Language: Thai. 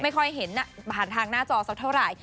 ไม่ค่อยเห็นผ่านทางหน้าจอสักเท่าไหร่